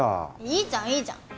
いいじゃんいいじゃん！